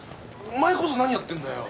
お前こそ何やってんだよ？